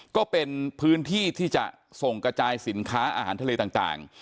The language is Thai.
ก็เป็นพื้นที่ที่จะส่งกระจายสินค้าอาหารทะเลต่าง